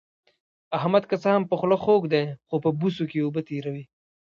احمد که څه هم په خوله خوږ دی، خو په بوسو کې اوبه تېروي.